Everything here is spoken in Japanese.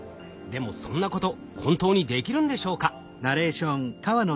でもそんなこと本当にできるんでしょうか？